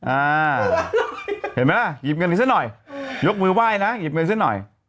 อ่าเห็นไหมล่ะหยิบเงินอีกซะหน่อยยกมือไหว้นะหยิบเงินซะหน่อย